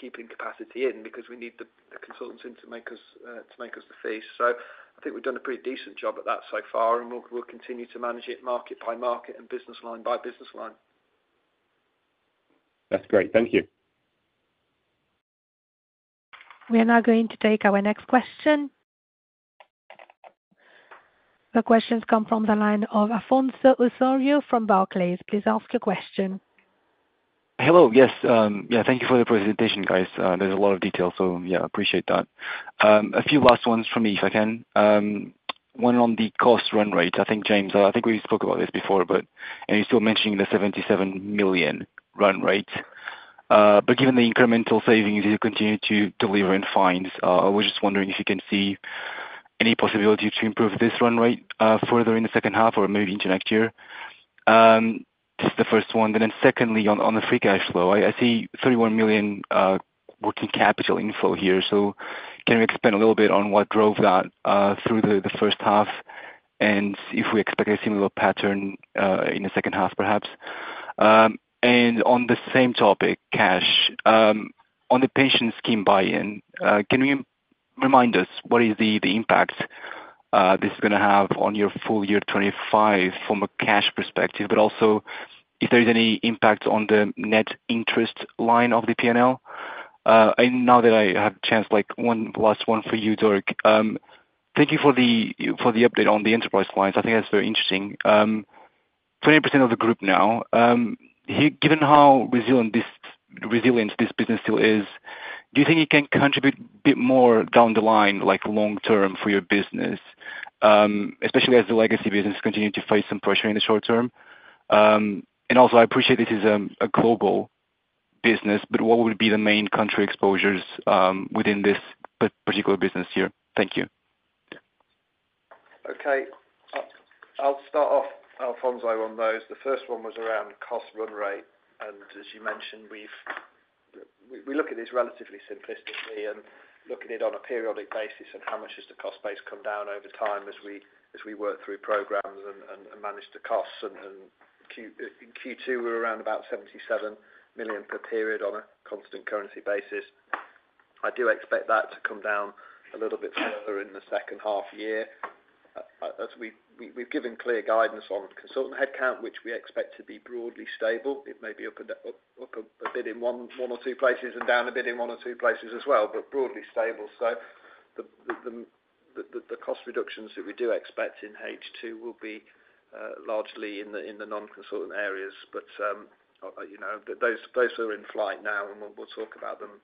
keeping capacity in because we need the consultants in to make us the fee. So I think we've done a pretty decent job at that so far, and we'll continue to manage it market by market and business line by business line. That's great. Thank you. We are now going to take our next question. The questions come from the line of Afonso Osório from Barclays. Please ask your question. Hello. Yes. Yeah. Thank you for the presentation, guys. There's a lot of details, so yeah, appreciate that. A few last ones from me, if I can. One on the cost run rate. I think, James, I think we spoke about this before, but you're still mentioning the 77 million run rate. But given the incremental savings you continue to deliver in FYs, I was just wondering if you can see any possibility to improve this run rate further in the second half or maybe into next year. This is the first one. Then secondly, on the free cash flow, I see 31 million working capital inflow here. So can you expand a little bit on what drove that through the first half and if we expect a similar pattern in the second half, perhaps? And on the same topic, cash, on the pension scheme buy-in, can you remind us what is the impact this is going to have on your full year 25 from a cash perspective, but also if there's any impact on the net interest line of the P&L? And now that I have a chance, one last one for you, Dirk. Thank you for the update on the enterprise lines. I think that's very interesting. 20% of the group now. Given how resilient this business still is, do you think you can contribute a bit more down the line, long-term, for your business, especially as the legacy business continues to face some pressure in the short term? And also, I appreciate this is a global business, but what would be the main country exposures within this particular business here? Thank you. Okay. I'll start off, Afonso, on those. The first one was around cost run rate. And as you mentioned, we look at this relatively simplistically and look at it on a periodic basis and how much has the cost base come down over time as we work through programs and manage the costs. And in Q2, we were around about 77 million per period on a constant currency basis. I do expect that to come down a little bit further in the second half year. We've given clear guidance on consultant headcount, which we expect to be broadly stable. It may be up a bit in one or two places and down a bit in one or two places as well, but broadly stable. So the cost reductions that we do expect in H2 will be largely in the non-consultant areas. But those are in flight now, and we'll talk about them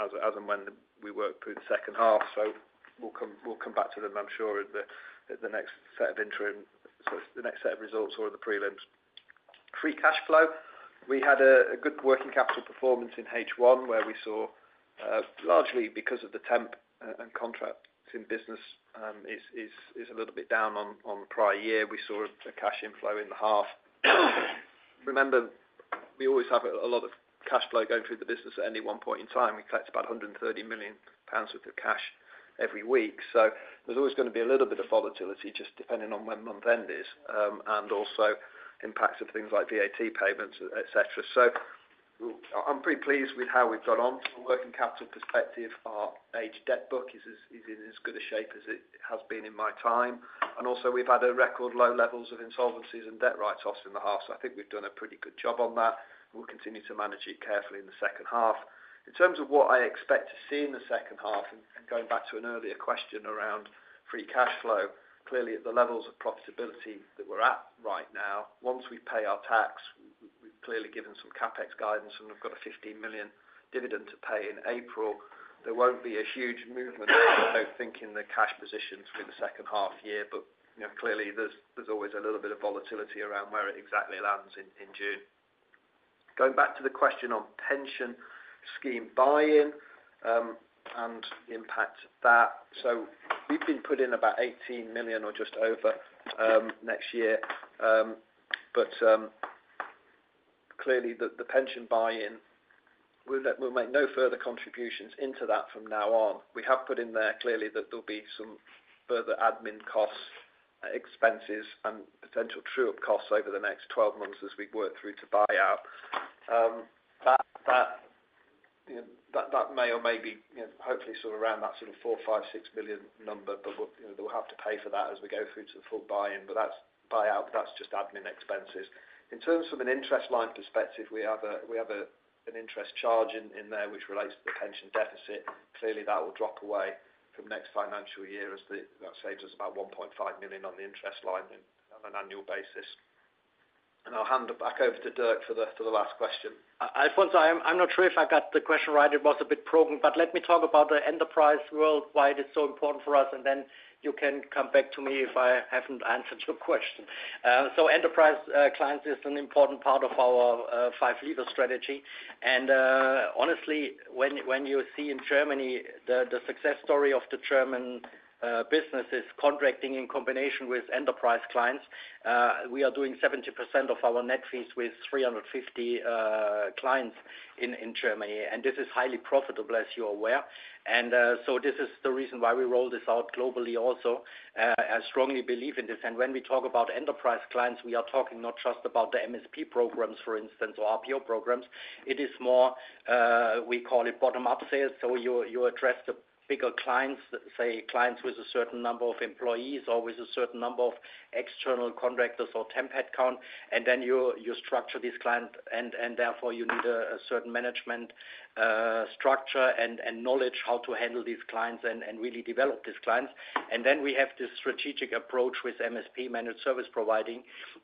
as and when we work through the second half. So we'll come back to them, I'm sure, at the next set of interim, the next set of results or the prelims. Free cash flow, we had a good working capital performance in H1 where we saw largely because of the temp and contracting business is a little bit down on prior year, we saw a cash inflow in the half. Remember, we always have a lot of cash flow going through the business at any one point in time. We collect about 130 million pounds worth of cash every week. There's always going to be a little bit of volatility just depending on when month end is and also impacts of things like VAT payments, etc. I'm pretty pleased with how we've got on from a working capital perspective. Our aged debt book is in as good a shape as it has been in my time. And also, we've had record low levels of insolvencies and debt write-offs in the half. I think we've done a pretty good job on that. We'll continue to manage it carefully in the second half. In terms of what I expect to see in the second half, and going back to an earlier question around free cash flow, clearly at the levels of profitability that we're at right now, once we pay our tax, we've clearly given some CapEx guidance, and we've got a 15 million dividend to pay in April. There won't be a huge movement, I don't think, in the cash positions for the second half year, but clearly there's always a little bit of volatility around where it exactly lands in June. Going back to the question on pension scheme buy-in and the impact of that. So we've been put in about 18 million or just over next year. But clearly, the pension buy-in, we'll make no further contributions into that from now on. We have put in there clearly that there'll be some further admin costs, expenses, and potential true-up costs over the next 12 months as we work through to buy out. That may or be hopefully sort of around that sort of 4-6 million number, but we'll have to pay for that as we go through to the full buy-in. But that's buy-out, but that's just admin expenses. In terms from an interest line perspective, we have an interest charge in there which relates to the pension deficit. Clearly, that will drop away from next financial year as that saves us about 1.5 million on the interest line on an annual basis. And I'll hand it back over to Dirk for the last question. Afonso, I'm not sure if I got the question right. It was a bit probing, but let me talk about the enterprise world. Why it is so important for us, and then you can come back to me if I haven't answered your question. So enterprise clients is an important part of our five-lever strategy. And honestly, when you see in Germany the success story of the German businesses contracting in combination with enterprise clients, we are doing 70% of our net fees with 350 clients in Germany. This is highly profitable, as you're aware. So this is the reason why we roll this out globally also. I strongly believe in this. When we talk about enterprise clients, we are talking not just about the MSP programs, for instance, or RPO programs. It is more, we call it bottom-up sales. So you address the bigger clients, say, clients with a certain number of employees or with a certain number of external contractors or temp headcount. Then you structure these clients, and therefore you need a certain management structure and knowledge how to handle these clients and really develop these clients. We have this strategic approach with MSP managed service provider.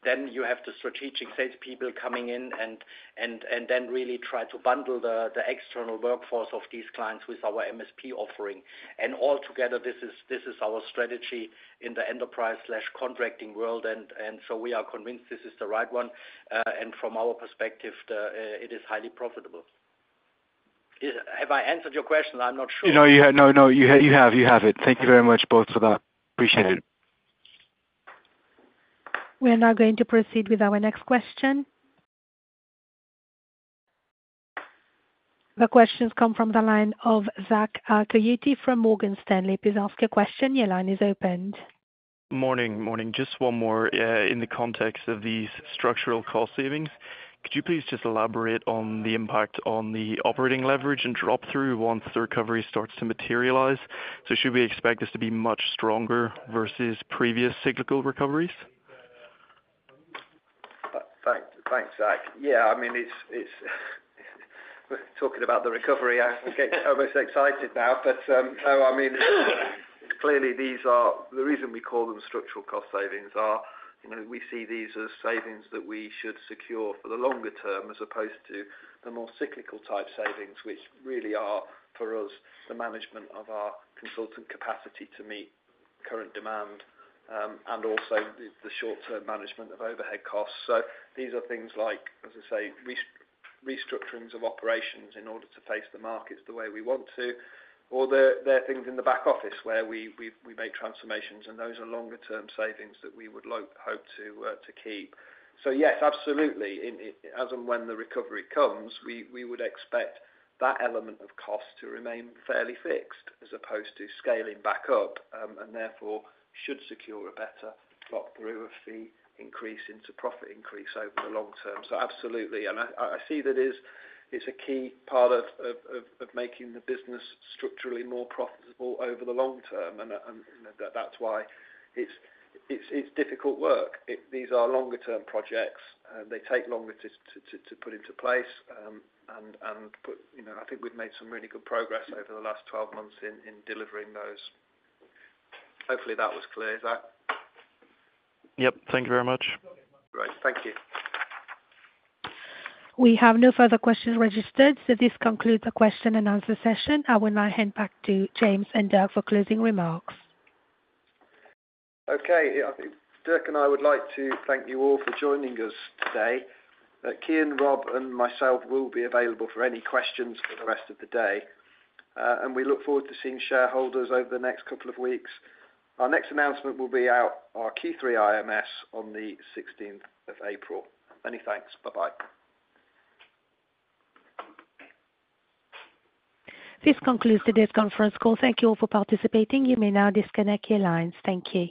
You have the strategic salespeople coming in and then really try to bundle the external workforce of these clients with our MSP offering. And altogether, this is our strategy in the enterprise/contracting world. And so we are convinced this is the right one. And from our perspective, it is highly profitable. Have I answered your question? I'm not sure. No, no, no. You have. You have it. Thank you very much both for that. Appreciate it. We are now going to proceed with our next question. The questions come from the line of Zach Coyote from Morgan Stanley. Please ask your question. Your line is open. Morning. Morning. Just one more in the context of these structural cost savings. Could you please just elaborate on the impact on the operating leverage and drop-through once the recovery starts to materialize? So should we expect this to be much stronger versus previous cyclical recoveries? Thanks, Zach. Yeah. I mean, talking about the recovery, I'm getting almost excited now. But no, I mean, clearly, the reason we call them structural cost savings is we see these as savings that we should secure for the longer term as opposed to the more cyclical type savings, which really are, for us, the management of our consultant capacity to meet current demand and also the short-term management of overhead costs. So these are things like, as I say, restructurings of operations in order to face the markets the way we want to. Or there are things in the back office where we make transformations, and those are longer-term savings that we would hope to keep. So yes, absolutely. As and when the recovery comes, we would expect that element of cost to remain fairly fixed as opposed to scaling back up and therefore should secure a better drop-through of the increase into profit increase over the long term. So absolutely. And I see that it's a key part of making the business structurally more profitable over the long term. And that's why it's difficult work. These are longer-term projects. They take longer to put into place. And I think we've made some really good progress over the last 12 months in delivering those. Hopefully, that was clear, Zach. Yep. Thank you very much. Great. Thank you. We have no further questions registered. So this concludes the question and answer session. I will now hand back to James and Dirk for closing remarks. Okay. Dirk and I would like to thank you all for joining us today. Keegan, Rob, and myself will be available for any questions for the rest of the day. And we look forward to seeing shareholders over the next couple of weeks. Our next announcement will be out our Q3 IMS on the 16th of April. Many thanks. Bye-bye. This concludes today's conference call. Thank you all for participating. You may now disconnect your lines. Thank you.